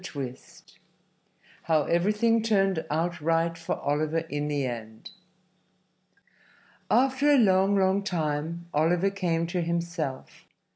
III HOW EVERYTHING TURNED OUT RIGHT FOR OLIVER IN THE END After a long, long time Oliver came to himself.